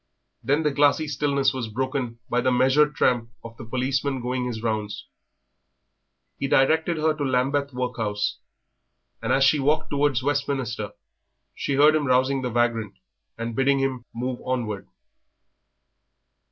Then the glassy stillness was broken by the measured tramp of the policeman going his rounds. He directed her to Lambeth Workhouse, and as she walked towards Westminster she heard him rousing the vagrant and bidding him move onward.